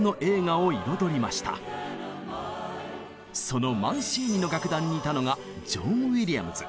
そのマンシーニの楽団にいたのがジョン・ウィリアムズ。